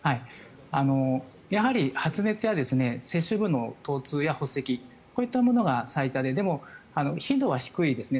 やはり発熱や接種後の疼痛や発赤こういったものが最多ででも、頻度は低いですね。